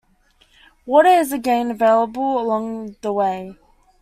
Water is again available along the way.